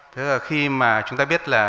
thế là khi mà chúng ta biết là